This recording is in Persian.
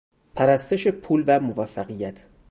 پرستش پول و موفقیت